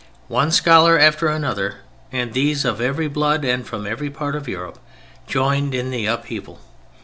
One scholar after another (and these of every blood and from every part of Europe) joined in the upheaval.